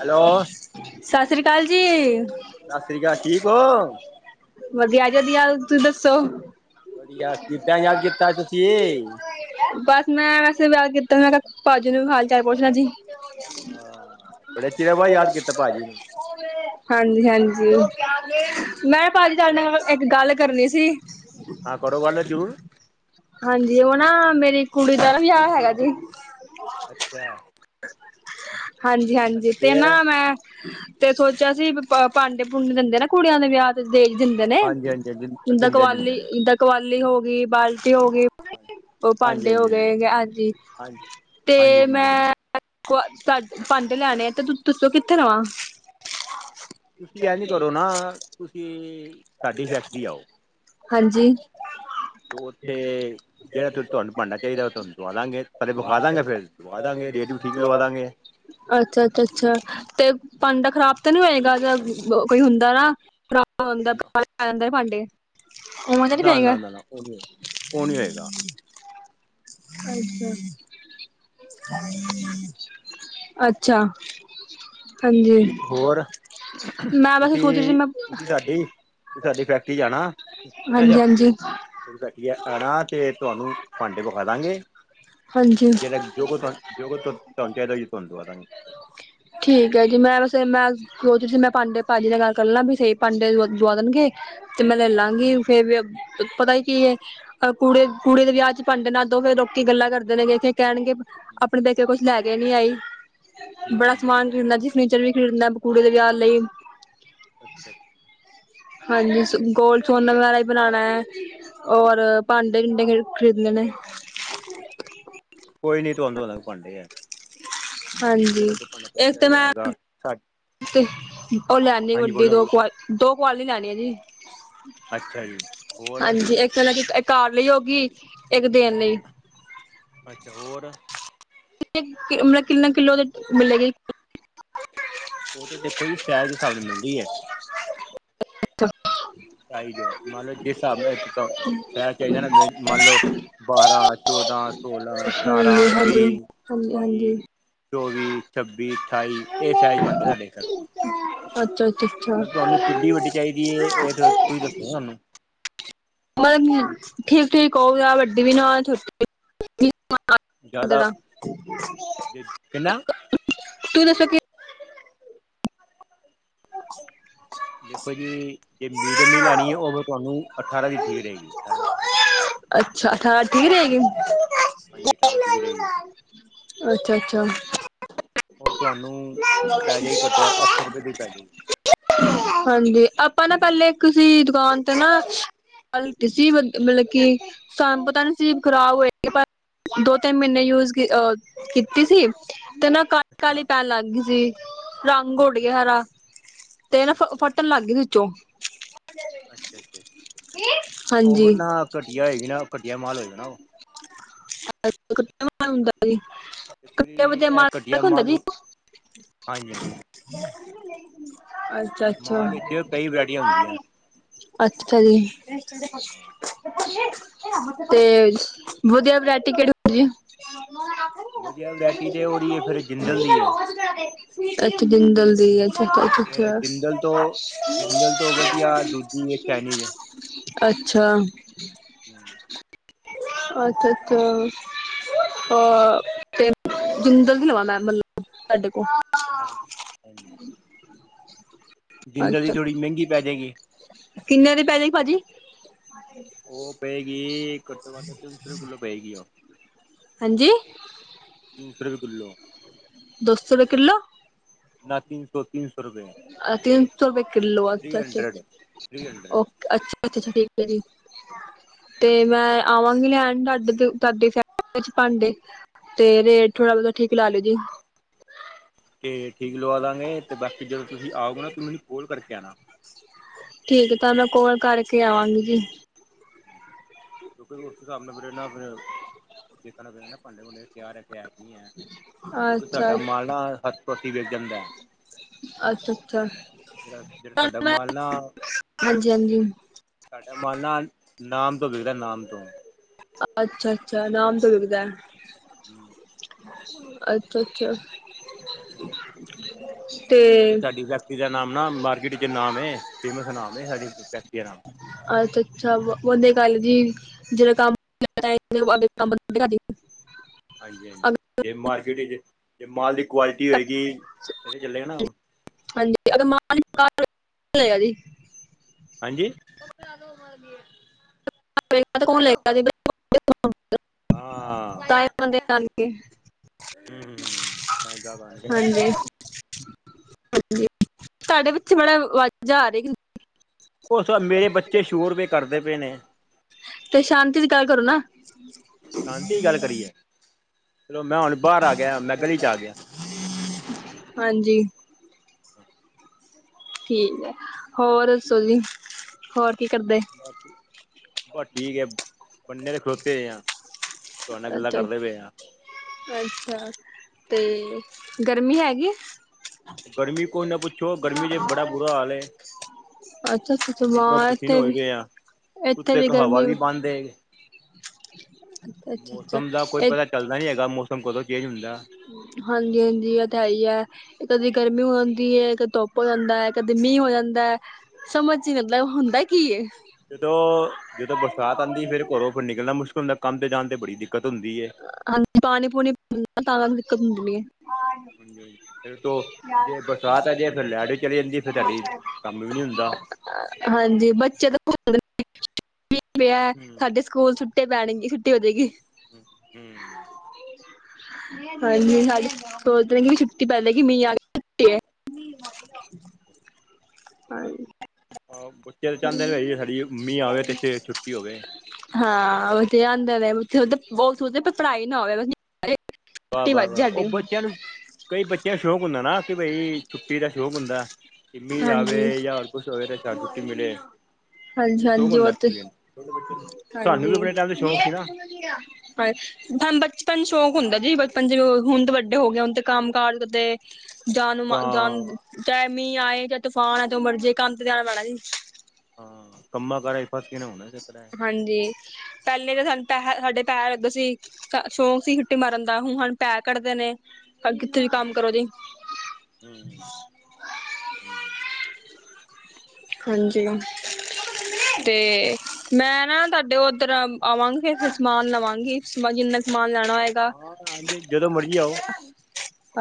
Hello ਸਤਿ ਸ੍ਰੀ ਅਕਾਲ ਜੀ। ਸਤਿ ਸ੍ਰੀ ਅਕਾਲ ਠੀਕ ਹੋ ਵਧੀਆ, ਜੀ ਵਧੀਆ, ਤੁਸੀਂ ਦੱਸੋ? ਵਧੀਆ ਕਿੱਦਾਂ ਯਾਦ ਕੀਤਾ ਤੁਸੀਂ ਬਸ। [inaudible] ਮੈਂ ਵੈਸੇ ਵਿਆਹ ਕੀਤਾ ਮੈਂ ਕਿਹਾ, ਭਾਜੀ ਨੂੰ ਵੀ ਹਾਲ ਚਾਲ ਪੁੱਛਣਾ ਜੀ? ਹਾਂ, ਬੜੇ ਚਿਰਾਂ ਬਾਅਦ ਯਾਦ ਕੀਤਾ, ਭਾਜੀ ਨੂੰ ਹਾਂਜੀ ਹਾਂਜੀ ਮੈਂ ਭਾਜੀ ਨਾਲ ਇੱਕ ਗੱਲ ਕਰਨੀ ਸੀ? ਹਾਂ, ਕਰੋ ਗੱਲ ਜਰੂਰ? ਹਾਂਜੀ, ਉਹ ਨਾ ਮੇਰੀ ਕੁੜੀ ਦਾ ਨਾ ਵਿਆਹ, ਹੈਗਾ ਜੇ ਅੱਛਾ। ਹਾਂਜੀ ਹਾਂਜੀ ਅੱਛਾ ਤੇ ਫੇਰ ਨਾ ਮੈਂ ਤੇ ਸੋਚਿਆ ਸੀ ਭਾਂਡੇ ਭੂੰਡੇ ਦਿੰਦੇ ਨਾ ਕੁੜੀਆਂ ਦੇ ਵਿਆਹ ਦਹੇਜ ਦਿੰਦੇ ਨੇ, ਹਾਂਜੀ ਹਾਂਜੀ ਹਾਂਜੀ ਜਿਦਾਂ ਦਿੰਦੇ ਦਿੰਦੇ ਨੇ ਕਵਾਲੀ ਹੋ ਗਈ, ਬਾਲਟੀ ਹੋ ਗਈ ਹਾਂਜੀ ਉਹ ਹਾਂਜੀ ਭਾਂਡੇ ਹੋ ਹਾਂਜੀ ਗਏ ਹੈਗੇ ਹਾਂਜੀ। ਹਾਂਜੀ [inaudible] ਹਾਂਜੀ ਤੇ ਦਿੰਦੇ ਨੇ ਮੈਂ [inaudible] ਭਾਂਡੇ ਲੈਣੇ ਆ ਤੇ, ਤੁਸੀਂ ਦੱਸੋ ਕਿਥੋਂ ਲਵਾਂ ਤੁਸੀਂ ਇਹ ਨੀ ਕਰੋ ਨਾ ਤੁਸੀਂ ਸਾਡੀ ਫੈਕਟਰੀ ਆਓ। [inaudible] ਹਾਂਜੀ ਤੇ ਉੱਥੇ ਜਿਹੜਾ ਤੁਹਾਨੂੰ ਭਾਂਡਾ ਚਾਹੀਦਾ ਤੁਹਾਨੂੰ ਉਥੋਂ ਦਵਾ ਦਾਂਗੇ। [inaudible] ਪਹਿਲੇ ਵਖਾ ਦਾਂ ਗੇ, ਫਿਰ ਲਖਵਾ ਦਾਂ ਗੇ, ਰੇਟ ਵੀ ਠੀਕ, ਲਵਾ ਦਾਂਗੇ। ਅੱਛਾ--ਅੱਛਾ ਅੱਛਾ, ਤੇ ਭਾਡਾ ਖ਼ਰਾ ਦਾ ਜਾਂਦਾ ਭਾਂਡੇ [unintelligible] [inaudible] ਓਵੇਂ, ਤੇ ਨੀ ਨਾ ਪਏਗਾ? ਨਾ ਨਾ ਨਾ ਉਹ ਨੀ ਉਹ ਨੀ ਹੋਏਗਾ [unintelligible] ਅੱਛਾ, ਹਾਂਜੀ ਹੋਰ ਮੈਂ, ਵੈਸੇ ਸੋਚ ਰਹੀ ਸੀ, ਤੁਸੀਂ ਮੈਂ ਤੁਸੀਂ ਸਾਡੀ ਤੁਸੀਂ ਸਾਡੀ ਫੈਕਟਰੀ ਹਾਂਜੀ ਹਾਂਜੀ ਇਕੱਠੇ, ਆਣਾ ਤੇ ਤੁਹਾਨੂੰ, ਭਾਂਡੇ ਵਿਖਾ ਦਾਂਗੇ ਹਾਂਜੀ ਜਿਹੜਾ ਜੋ ਕੁ ਜੋ ਤੁਹਾਨੂੰ ਚਾਹੀਦਾ ਤੁਹਾਨਦ ਆ ਦਾਂਗੇ। [inaudible] ਠੀਕ ਹੈ ਜੀ, ਮੈਂ ਵੈਸੇ ਮੈਂ ਉਹਦੇ ਮੈਂ ਭਾਂਡੇ, ਭਾਜੀ ਨਾਲ ਗੱਲ ਕਰ ਲਾਂ ਸਹੀ ਭਾਂਡੇ ਦਵਾ ਦੇਣ । ਤੇ ਮੈਂ ਲੈ ਲਾਂ ਗੀ, ਫੇਿਰ ਵੀ ਪਤਾ ਹੀ ਕੀ ਏ - ਅਹ ਕੁੜੀ ਕੁੜੀ ਦੇ ਵਿਆਹ ਚ ਭਾਂਡੇ ਨਾ, ਦਿਓ ਫੇਰ ਲੋਕੀ, ਗੱਲਾਂ ਕਰਦੇ ਲੋਕੀ ਕਹਿਣਗੇ, ਆਪਣੇ ਪੇਕੇ ਕੁਛ ਲੈ ਕੇ ਨੀ ਆਈ, ਬੜਾ ਹਮ ਸਮਾਨ ਖਰੀਦਣਾ ਸੀ ਫਰਨੀਚਰ ਵੀ ਖਰੀਦਣਾ, ਕੁੜੀ ਦੇ ਵਿਆਹ ਲਈ। ਹਾਂਜੀ, ਗੋਲਡ ਸੋਨਾ, ਵਗੈਰਾ ਵੀ ਬਣਾਣਾ, ਔਰ, ਭਾਂਡੇ ਟਿੰਡੇ ਵੀ ਖਰੀਦਣੇ ਨੇ ਕੋਈ ਨਹੀਂ, ਤੁਹਾਨੂੰ ਦਵਾ ਦਾਂਗੇ ਭਾਂਡੇ ਆ। ਹਾਂਜੀ, ਇੱਕ ਤੇ ਮੈਂ ਹੈਗਾ ਉਹ ਲੈਂਦੀ ਹਾਂਜੀ ਵੱਡੀ, ਬੋਲੋ ਦੋ ਬੋਲੋ ਕੁ ਦੋ, ਕੁਆਲੀ ਲੈਣੀ ਆ ਅੱਛਾ ਜੀ ਹੋਰ ਜੀ--ਹਾਂਜੀ, ਇੱਕ ਕਾਰ ਲਈ ਹੋਗੀ, ਇੱਕ ਦੇਨ ਲਈ। ਅੱਛਾ ਹੋਰ ਮਤਲਬ, ਕਿੰਨੇ ਕਿੱਲੋ ਦੀ, ਮਿਲੇਗੀ? ਉਹ ਤੇ ਦੇਖੋ ਜੀ, ਸਾਇਜ ਦੇ ਹਿਸਾਬ ਨਾਲ, ਮਿਲਦੀ ਐ [inaudible] [inaudible] ਅੱਛਾ, ਸਾਈਜ਼, ਮੰਨ ਲਓ ਜਿਸ ਹਿਸਾਬ ਨਲ ਸਾਇਜ ਚਾਹੀਦਾ ਨਾ, ਮੰਨ ਲਓ ਬਾਰਾਂ, ਚੌਦਾਂ, ਸੋਲਾਂ, ਅਠਾਰਾਂ, ਹਾਂਜੀ ਹਾਂਜੀ ਵੀਹ ਹਾਂਜੀ ਬਾਈ ਹਾਂਜੀ ਚੌਵੀ, ਛੱਬੀ, ਅਠਾਈ ਇਹ ਸਾਇਜ ਬਣਦਾ, ਸਾਡੇ ਘਰ ਅੱਛਾ, ਅੱਛਾ, ਅੱਛਾ। ਕਿੱਡੀ ਵੱਡੀ ਚਾਹੀਦੀ ਹੈ ਇਹ ਤੁਸੀਂ ਦੱਸੋ ਸਾਨੂੰ ਮਤਲਬ ਠੀਕ ਠੀਕ ਹੋਵੇ, ਵੱਡੀ ਵੀ ਨਾ, ਛੋਟੀ ਵੀ [inaudible] [inaudible] ਤੁਸੀਂ ਜ਼ਿਆਦਾ ਕਿੰਨਾ ਦੱਸੋ ਕੀ [inaudible] ਦੇਖੋ ਜੀ ਜੇ ਮੀਡੀਅਮ ਈ ਲੈਣੀ ਹੈ ਉਹ ਫਿਰ ਤੁਹਾਨੂੰ ਅਠਾਰਾਂ ਦੀ ਠੀਕ ਰਹੇਗੀ ਅਠਾਰਾਂ। ਹਾਂਜੀ ਅੱਛਾ ਅਠਾਰਾ ਠੀਕ ਰਹੇਗੀ। ਭੈਣ ਜੀ ਅਠਾਰਾਂ ਦੀ ਠੀਕ ਰਹੇਗੀ। [unintelligible] ਅੱਛਾ-ਅੱਛਾ, ਉਹ ਤੁਹਾਨੂੰ ਪੈ ਜੇਗੀ [unintelligible] ਅੱਠ ਸੌ ਰੁਪਏ ਦੀ ਪੈ ਜੇਗੀ। ਹਾਂਜੀ, ਆਪਾਂ ਨਾ ਪਹਿਲੇ ਕਿਸੀ ਦੁਕਾਨ ਤੇ ਨਾ ਸੀ ਮਤਲਬ ਕਿ ਸਾਨੂੰ ਪਤਾ ਨੀ ਸੀ ਖ਼ਰਾਬ ਹੋਏਗੀ ਪਰ ਦੋ ਤਿੰਨ ਮਹੀਨੇ ਯੂਜ ਆ ਕੀਤੀ ਸੀ ਤੇ ਨਾ ਕਾਲੀ ਕਾਲੀ ਅੱਛਾ ਪੈਨ ਲੱਗ ਗਈ ਸੀ। ਰੰਗ ਉਡ ਗਿਆ ਅੱਛਾ ਹਰਾ ਅੱਛਾ ਤੇ ਨਾ ਫ ਅੱਛਾ ਫਟਣ ਲੱਗ ਗਈ ਵਿੱਚੋ। ਅੱਛਾ ਅੱਛਾ ਹਾਂਜੀ, ਉਹ ਨਾ ਘਟੀਆ ਹੋਏਗੀ ਨਾ ਘਟੀਆ ਮਾਲ ਹੋਏਗਾ ਨਾ ਉਹ [unintelligible] ਦੇਖੋ ਜੀ ਇਹ ਘਟੀਆ ਹੁੰਦਾ ਜੀ ਮਾਲ ਹੀ ਹਾਂਜੀ ਹਾਂਜੀ ਅੱਛਾ, ਅੱਛਾ ਮਾਲ ਅੱਛਾ, ਵਿੱਚ ਕਈ ਵਰਾਇਟੀਆਂ ਹੁੰਦੀਆਂ ਅੱਛਾ ਜੀ। ਤੇ ਵਧੀਆ ਵਰਾਇਟੀ ਕਿਹੜੀ ਹੁੰਦੀ। [unintelligible] ਵਧੀਆ ਵਰੈਟੀ ਤੇ ਉਹਦੀ ਹੈ ਫੇਰ ਜਿੰਦਲ ਦੀ ਐ। ਅੱਛਾ ਜਿੰਦਲ ਦੀ ਐ। ਅੱਛਾ ਫਿਰ ਅੱਛਾ, ਜਿੰਦਲ ਤੋਂ ਜਿੰਦਲ ਤੋਂ ਵਧੀਆ ਦੂਜੀ ਹੈ ਚਾਈਨੀਜ਼ ਅੱਛਾ, [unintelligible] ਅੱਛਾ ਅੱਛਾ, ਅਹ ਤੇ ਜਿੰਦਲ ਦੀ ਲਵਾ ਮੈਂ ਮਲ ਸਾਡੇ ਕੋਲ, ਹਾਂਜੀ ਜਿੰਦਲ ਦੀ ਅੱਛਾ ਥੋੜ੍ਹੀ ਮਹਿੰਗੀ ਪੈ ਜਾਏਗੀ ਕਿੰਨੇ ਦੀ ਪੈਜੇਗੀ ਭਾਜੀ? ਉਹ ਪਏਗੀ ਘੱਟੋ ਘੱਟ ਤਿੰਨ ਸੌ ਰੁਪਏ ਕਿੱਲੋ ਪਏਗੀ ਓ ਹਾਂਜੀ, ਤਿੰਨ ਸੌ ਰੁਪਏ ਕਿਲੋਂ [unintelligible] ਦੋ ਸੋ ਰੁਪਏ ਕਿੱਲੋ। ਨਾ ਤਿੰਨ ਸੌ ਤਿੰਨ ਸੌ ਰੁਪਏ ਤੀਨ ਸੌ ਰੁਪਏ ਕਿਲੋ। ਅੱਛਾ ਥ੍ਰੀ ਅੱਛਾ ਹੰਡਰਡ ਥ੍ਰੀ ਅੱਛਾ ਹੰਡਰਡ ਅੱਛਾ, ਅੱਛਾ ਅੱਛਾ, ਠੀਕ ਐ ਜੀ ਤੇ ਮੈਂ ਆਵਾਂਗੀ ਲੈਣ [unintelligible] ਤੁਹਾਡੀ ਫ ਭਾਂਡੇ ਤੇ ਰੇਟ ਥੋੜਾ ਹਾਂ ਬਹੁਤਾ ਠੀਕ ਲਾ ਲਓ ਜੀ। ਤੇ ਠੀਕ ਲਵਾਦਾਗੇ ਤੇ ਬਾਕੀ ਜਦੋਂ ਤੁਸੀਂ ਆਉ ਨਾ ਤੁਸੀ ਮੈਨੂੰ ਕੋਲ ਕਰਕੇ ਆਉਣਾ। ਠੀਕ ਆ ਤਾਂ ਮੈਂ ਕੋਲ ਕਰਕੇ ਆਵਾਂਗੀ ਜੀ। ਕਿਉਂਕਿ ਉਸ ਹਿਸਾਬ ਨਾਲ ਫਿਰ ਫਿਰ ਦੇਖਣਾ ਪੈਣਾ ਨਾ [unintelligible] ਕਿਉਂਕਿ ਅੱਛਾ ਸਾਡਾ ਮਾਲਾ ਹੱਥੋ ਹੱਥੀ ਵਿਕ ਜਾਂਦਾ। ਅੱਛਾ ਅੱਛਾ, ਜਿਹੜਾ ਜਿਹੜਾ ਸਾਡਾ ਹਾਂਜੀ ਮਾਲਾ ਹਾਂਜੀ ਸਾਡਾ ਮਾਲ ਨਾ ਨਾਮ ਤੋਂ ਵਿੱਕਦਾ ਨਾਮ ਤੋਂ। ਅੱਛਾ ਅੱਛਾ ਨਾਮ ਤੋਂ ਵਿਕੱਦਾ ਅੱਛਾ ਅੱਛਾ, ਤੇ ਕਿਉਂਕਿ ਸਾਡੀ ਫੈਕਟਰੀ ਦਾ ਨਾਮ ਨਾ ਮਾਰਕੀਟ ਚ ਨਾਮ ਏ ਫੇਮਸ ਨਾਮ ਏ ਸਾਡੀ ਫੈਕਟਰੀ ਦਾ ਨਾਮ ਅੱਛਾ ਅੱਛਾ, ਉਹਦੇ ਗੱਲ ਜੀ ਜਿਹੜਾ ਕੰਮ [unintelligible] ਹਾਂਜੀ ਹਾਂਜੀ, ਜੇ ਮਾਰਕਿਟ ਵਿੱਚ ਜੇ ਮਾਲ ਦੀ ਕੁਆਲਿਟੀ ਹੋਏਗੀ ਚਲੇਗਾ ਨਾ। ਹਾਂਜੀ [unintelligible] ਹਾਂਜੀ, ਕੌਣ ਲੇਗਾ ਹਾਂ [unintelligible] ਤਦੇ ਨਾਲ [unintelligible] ਹਮ ਧਾਗਾ ਬਨ ਲਿਆ ਹਾਂਜੀ ਤੁਹਾਡੇ ਪਿੱਛੇ ਬੜੀਆਂ ਆਵਾਜ਼ਾਂ ਆ ਰਹੀਆਂ ਉਹ ਮੇਰੇ ਬੱਚੇ ਸ਼ੋਰੁਪਏ ਕਰਦੇ ਨੇ ਤੇ ਸ਼ਾਂਤੀ ਦੀ ਗੱਲ ਕਰੋ ਨਾ ਸ਼ਾਂਤੀ ਗੱਲ ਕਰੀਏ ਚਲੋ ਮੈਂ ਹੁਣ ਬਾਹਰ ਆ ਗਿਆ ਮੈਂ ਗਲੀ ਚ ਆ ਗਿਆ ਹਾਂਜੀ ਠੀਕ ਹੈ ਹੋਰ ਦੱਸੋ ਜੀ ਹੋਰ ਕੀ ਕਰਦੇ ਬਸ ਠੀਕ ਹੈ ਬੰਨੇ ਦੇ ਖਲੋਤੇ ਆ ਤੁਹਾਡੇ ਨਾਲ ਗੱਲਾਂ ਅੱਛਾ ਕਰਦੇ ਪਏ ਆ ਅੱਛਾ ਅਤੇ ਗਰਮੀ ਹੈਗੀ ਗਰਮੀ ਕੋਈ ਨਾ ਪੁੱਛੋ। ਗਰਮੀ ਜੇ ਬੜਾ ਬੁਰਾ ਹਾਲ ਐ। ਅੱਛਾ ਅੱਛਾ ਪਸੀਨੋ ਵਾਂ ਪਸੀਨੋ ਇੱਥੇ ਹੋਏ ਵੀ ਪੈ ਆ। ਇੱਥੇ ਉੱਤੇ ਇੱਕ ਹਵਾ ਗਰਮੀ ਵੀ ਬੰਦ ਏ । ਅੱਛਾ ਅੱਛਾ ਮੌਸਮ ਦਾ ਕੋਈ ਪਤਾ ਇਹ ਚੱਲਦਾ ਨੀ ਹੈਗਾ। ਮੌਸਮ ਕਦੋਂ ਚੇਂਜ ਹੁੰਦਾ ਐ। ਹਾਂਜੀ ਹਾਂਜੀ। ਇਹ ਤਾਂ ਹੈ ਹੀ ਹੈ। ਕਦੇ ਗਰਮੀ ਹੋਂਦੀ ਐ। ਕਦੇ ਧੁੱਪ ਹੋ ਜਾਂਦਾ ਹੈ। ਕਦੇ ਮੀਂਹ ਹੋ ਜਾਂਦਾ ਐ। ਸਮਝ ਚ ਨੀ ਆਦਾ ਹੁੰਦਾ ਕੀ ਏ। ਜਦੋਂ ਜਦੋਂ ਬਰਸਾਤ ਆਉਂਦੀ ਐ। ਫੇਰ ਘਰੋਂ ਫਿਰ ਨਿਕਲਣਾ ਮੁਸ਼ਕਿਲ ਹੁੰਦਾ ਐ। ਕੰਮ ਤੇ ਜਾਣ ਤੇ ਬੜੀ ਦਿੱਕਤ ਹੁੰਦੀ ਐ। ਹਾਂਜੀ ਪਾਣੀ ਪੂਣੀ ਪ ਤਾਂ ਦਿੱਕਤ ਹੁੰਦੀ ਐ। ਫਿਰ ਤੋਂ ਜੇ ਬਰਸਾਤ ਆ ਜੇ ਫਿਰ ਲੈਟ ਵੀ ਚਲੀ ਜਾਂਦੀ ਫਿਰ ਤੁਹਾਡੀ ਕੰਮ ਵੀ ਨੀ ਹੁੰਦਾ [unintelligible] ਹਾਂਜੀ। ਬੱਚੇ ਤਾਂ ਪੰ ਵਿ ਹੂੰ ਸਾਡੇ ਸਕੂਲ ਛੁੱਟੇ ਪੈਣਗੇ, ਛੁੱਟੀ ਹੋ ਜਾਏਗੀ। ਹੂੰ ਹੂੰ। ਹਾਂਜੀ। ਹੜ ਉਦੋ ਹੀ ਛੁੱਟੀ ਪੈ ਜੇਗੀ, ਮੀਂਹ ਆ ਗਿਆ। [unintelligible] ਬੱਚੇ ਤਾਂ ਚਾਹੁੰਦੇ ਨੇ ਜ ਸਾਡੀ ਮੰਮੀ ਆ ਹੋਵੇ ਤੇ ਛੁੱਟੀ ਹੋਵੇ ਹਾਂ ਉਹਥੇ ਆ ਨੇ ਉਹ ਸੋਚਦੇ ਪੜ੍ਹਾਈ ਨਾ ਹੋਵੇ ਵਾਹ ਛੁੱਟੀ ਵਾਹ ਵੱਜ ਵਾਹ ਜਾਏ ਉਹ ਸਾਡੀ ਬੱਚਿਆਂ ਨੂੰ ਕਈ ਬੱਚਿਆਂ ਦਾ ਸ਼ੌਕ ਹੁੰਦਾ ਨਾ ਕਿ ਬਈ ਛੁੱਟੀ ਦਾ ਸ਼ੌਕ ਹੁੰਦਾ। ਮੀਹ ਅਵੇ ਹਾਂਜੀ ਯਕੁਚ ਹੋਏ ਤਾਂ ਛੁੱਟੀ ਮਿਲੇ ਹਾਂਜੀ ਮੈਨੂੰ ਸ਼ੌਕ ਹਾਂਜੀ। ਉਹ ਹੁੰਦਾ ਤੇ, ਐਕਚੁਲੀ ਛੋਟੇ ਬੱਚਿਆਂ ਨੂੰ ਸਾਨੂੰ ਹਾਂਜੀ ਵੀ ਆਪਣੇ ਟਾਈਮ ਤੇ ਸ਼ੌਕ ਸੀ ਨਾ ਹ ਸਾਨੂੰ ਬਚਪਨ ਚ ਸ਼ੌਂਕ ਹੁੰਦਾ ਜੀ। ਬਚਪਨ ਚ ਹੁਣ ਤੇ ਵੱਡੇ ਹੋ ਗਏ। ਹੁਣ ਤੇ ਕੰਮ ਕਾਜ ਉੱਤੇ ਜਾਨ ਮ ਕਾਂ ਜਾਨ, ਚਾਹੇ ਮੀਂਹ ਆਏ, ਚਾਹੇ ਤੂਫਾਨ ਆਏ। ਜੋ ਮਰਜੀ ਕੰਮ ਤੇ ਜਾਣਾ ਪੈਣਾ ਜੀ। ਹਾਂ। ਕੰਮਾ ਕਾਰਾ ਚ ਫਸ ਕਿ ਨਾ ਹੋਂਦਾ। ਨੀ ਤੇ ਹਾਂਜੀ। ਪਹਿਲੇ ਤਾਂ ਸਾਨੂੰ ਪੈਹ ਸਾਡੇ ਪੈਹ ਲਗਦੇ ਸੀ। ਤਾਂ ਸ਼ੌਂਕ ਸੀ। ਛੁੱਟੀ ਮਾਰਨ ਦਾ। ਹੁਣ ਸਾਡੇ ਪੈਸੇ ਕੱਟਦੇ ਨੇ। ਅ ਕਿਥੇ ਵੀ ਕੰਮ ਕਰੋ ਗੇ ਹਾਂਜੀ ਅ। ਤੇ, ਮੈਂ ਨਾ ਤੁਹਾਡੇ ਉੱਧਰ ਅਮ ਆਵਾਂਗੀ। ਫੇਰ ਸਮਾਨ ਲਵਾਂਗੀ ਬਸ ਜਿੰਨਾ ਸਮਾਨ ਲੈਣਾ ਹੋਏਗਾ। ਹਾਂ ਹਾਂਜੀ ਜਦੋਂ ਮਰਜ਼ੀ ਆਓ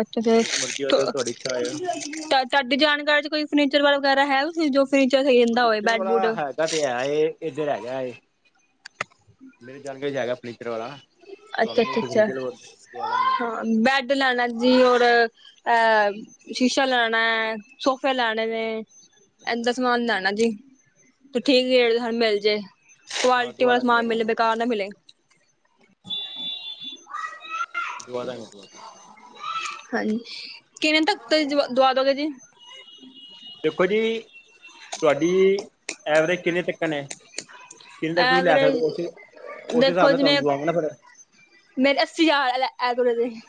ਅੱਛਾ ਜੀ, ਜਦੋਂ ਮਰਜ਼ੀ ਆਓ ਜਦੋਂ ਤੁਹਾਡੀ ਇੱਛਾ ਹੋਏ ਤਦ ਤੁਹਾਡੀ, ਜਾਣਕਾਰੀ ਚ ਕੋਈ ਫਰਨੀਰ ਵਾਲਾ ਵਗੈਰਾ ਹੈ, ਜੋ ਫਰਨੀਚਰ ਸਹੀ ਦਿੰਦਾ ਹੋਵੇ ਫਰਨੀਚਰ ਬੈਡ-ਬੁੱਡ ਵਾਲਾ ਹੈਗਾ ਤੇ ਹੈ ਇੱਧਰ ਹੈਗਾ ਏ। ਮੇਰੀ ਜਾਣਕਾਰੀ ਚ ਹੈਗਾ ਫਰਨੀਚਰ ਵਾਲਾ। ਅੱਛਾ ਤੁਹਾਨੂੰ ਅੱਛਾ ਮੁਫ਼ਤ ਅੱਛਾ ਦਵਾਦਾ ਗੇ। ਹਾਂ ਬੈਡ ਲੈਣਾ ਜੀ। ਔਰ ਅਹ ਸ਼ੀਸ਼ਾ ਲਾਣਾ ਐ। ਸੋਫੇ ਲਾਣੇ ਨੇ ਅੱਛਾ ਏਜ ਅੱਛਾ ਸਮਾਨ ਲੈਣਾ ਜੀ। ਤੇ ਠੀਕ ਰੇਟ ਸਾਨੂੰ ਮਿਲ ਜੇ, ਹਾਂ ਕੁਆਲਿਟੀ ਦਵਾ ਦਾਂਗੇ ਸਮਾਨ ਦਵਾ ਮਿਲੇ, ਬੇਕਾਰ ਨਾ ਮਿਲੇ। ਦਵਾ ਦਾਂਗਾ ਹਾਂਜੀ। ਕਿਵੇਂ ਤੱਕ ਦਵਾ ਦੋਗੇ ਜੀ। ਦੇਖੋ ਜੀ। ਤੁਹਾਡੀ ਐਵਰੇਜ ਕਿੰਨੇ ਤੱਕਨ ਐ। ਐਵਰਜ ਅ, ਉਸ ਹਿਸਾਬ ਦੇਖੋ ਨਾਲ ਤੁਹਾਨੂੰ ਜਿਵੇਂ ਦਵਾਂਗਾ ਨਾ ਫਿਰ ਮੇਰੇ ਅੱਸੀ ਹਜ਼ਾਰ ਐਵ-ਐਵਰਜ ਏ। [unintelligible]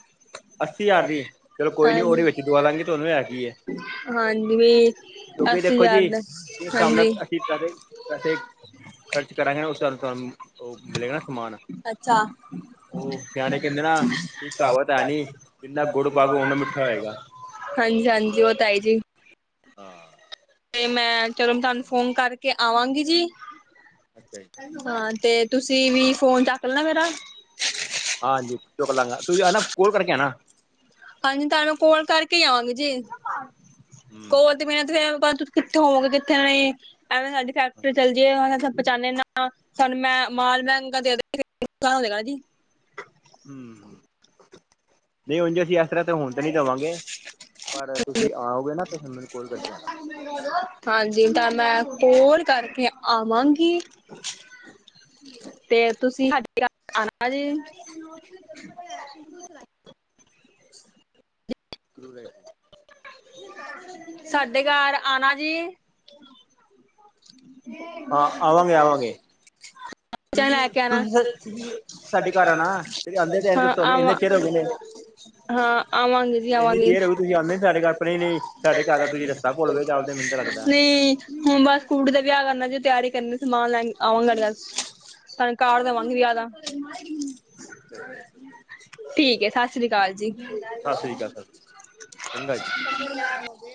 ਅੱਸੀ ਹਜ਼ਾਰ ਦੀ ਚਲੋ ਕੋਈ ਨੀ ਉਹਦੇ ਵਿੱਚ ਦਵਾ ਦਾਂਗੇ ਤੁਹਾਨੂੰ ਹੈ ਹਾਂਜੀ-ਹਾਂਜੀ । ਕਿਂਉਕੀ ਦੇਖੋ ਜੀ ਜਿਸ ਹਿਸਾਬ ਨਾਲ ਅਸੀਂ ਪੈਸੇ ਪੈਸੇ ਖਰਚ ਕਰਾਂਗੇ ਨਾ। ਉਸ ਹਿਸਾਬ ਤੁਹਾਨੂੰ ਉਹ ਮਿਲੇਗਾ ਨਾ ਸਮਾਨ। ਅੱਛਾ, ਉਹ ਸਿਆਣੇ ਕਹਿੰਦੇ ਨਾ ਕੀ ਕਹਾਵਤ ਹੈ ਨੀ, ਜਿੰਨਾ ਗੁੜ ਪਾਓਗੇ ਓਨਾ ਮਿੱਠਾ ਹੋਏਗਾ। ਹਾਂਜੀ-ਹਾਂਜੀ, ਉਹ ਤਾਂ ਹੈਈ ਜੀ। ਹਾਂ। ਤੇ ਮੈਂ ਚਲੋ ਤੁਹਾਨੂੰ ਫੋਨ ਕਰਕੇ ਆਵਾਂਗੀ ਜੀ। ਅੱਛਾ ਜੀ ਹਾਂ ਤੇ ਤੁਸੀਂ ਵੀ ਫੋਨ ਚੱਕ ਲੈਣਾ ਮੇਰਾ ਹਾਂਜੀ, ਚੁੱਕ ਲਾਂਗਾ। ਤੁਸੀਂ ਆ ਨਾ ਕੋਲ ਕਰਕੇ ਆਣਾ। ਹਾਂਜੀ, ਤੁਹਾਨੂੰ ਮੈਂ ਕੋਲ ਕਰਕੇ ਹੀ ਆਵਾਂਗੀ ਜੀ। ਹੂੰ ਕੋਲ ਤੇ ਬਿਨਾਂ ਤਾਂ ਫਿਰ ਤੁਸੀਂ ਕਿੱਥੇ ਹੋਵੋਗੇ ਕਿੱਥੇ ਨੀ ਐਵੇਂ ਤੁਹਾਡੀ ਫੈਕਟਰੀ ਚੱਲ ਜਾਏ ਓ ਸਾਨੂੰ ਪਹਿਚਾਣੇ ਨਾ। ਸਾਨੂੰ, ਮੈਂ ਮਾਲ ਮਹਿੰਗਾ ਦੇ [unintelligible] ਹੂੰ, ਨਹੀਂ ਉਂਜ ਜੇ ਅਸੀਂ ਇਸ ਤਰ੍ਹਾਂ ਤੇ ਹੋਣ ਤੇ ਨਹੀਂ ਦੇਵਾਂਗੇ। ਪਰ ਤੁਸੀਂ ਆਓਗੇ ਨਾ ਤੇ ਫਿਰ ਮੈਨੂੰ ਕੋਲ ਕਰਕੇ ਆਣਾ। ਹਾਂਜੀ, ਤਾਂ ਮੈਂ ਫੋਨ ਕਰਕੇ ਆਵਾਂਗੀ। ਤੇ ਤੁਸੀਂ ਸਾਡੇ ਘਰ ਆਣਾ ਜੇ। [unintelligible] ਸਾਡੇ ਘਰ [unintelligible] ਆਣਾ ਜੀ ਹਾਂ, ਆਵਾਂਗੇ ਆਵਾਂਗੇ। [unintelligible] ਚ ਤੁਸੀਂ ਲੈ ਕੇ ਆਣਾ। ਤੁਸੀਂ ਤੁਸੀਂ ਸਾਡੇ ਘਰ ਆਣਾ ਤੇ ਆਂਦੇ ਤੇ ਹਾਂ ਤੁਹਾਨੂੰ ਇੰਨੇ ਆਵਾਂ ਚਿਰ ਹੋ ਗਏ ਨੇ ਹਾਂ, ਆਵਾਂਗੇ ਜੀ ਇੰਨੀ ਆਵਾਂਗੇ। ਦੇਰ ਹੋ ਗਈ ਤੁਸੀਂ ਆਂਦੇ ਨੀ ਸਾਡੇ ਘਰ ਪਰ ਨਹੀਂ ਨਹੀਂ ਸਾਡੇ ਘਰ ਦਾ ਤੁਸੀਂ ਰਸਤਾ ਭੁੱਲ ਗਏ ਜਾਪਦੇ ਮੈਨੂੰ ਤਾਂ ਲੱਗਦਾ। ਨਹੀਂ। ਹੂੰ, ਹੁਣ ਬਸ ਕੁੜੀ ਦਾ ਵਿਆਹ ਕਰਨਾ ਜੀ। ਤਿਆਰੀ ਕਰਨੀ ਸਮਾਨ ਲੈਣ ਆਵਾਂਗੇ [unintelligible] [unintelligible] ਠੀਕ ਏ ਸਰ ਸਤਿ ਸ੍ਰੀ ਅਕਾਲ ਸਤਿ ਸ਼੍ਰੀ ਅਕਾਲ ਚੰਗਾ ਜੀ।